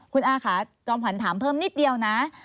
คุณอาค่ะจอมขวัญถามเพิ่มนิดเดียวนะ